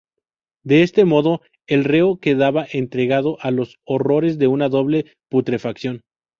De este modo, el reo quedaba entregado a los horrores de una doble putrefacción.